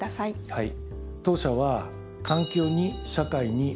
はい。